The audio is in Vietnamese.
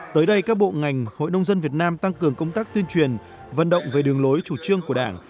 tới đây các bộ ngành hội nông dân việt nam tăng cường công tác tuyên truyền vận động về đường lối chủ trương của đảng